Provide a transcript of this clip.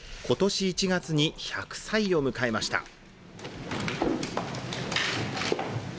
ことし１月に１００歳を迎えました。